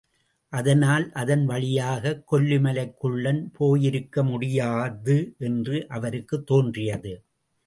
அதனால் அதன் வழியாகக் கொல்லிமலைக் குள்ளன் போயிருக்க முடியாது என்று அவருக்குத் தோன்றியது.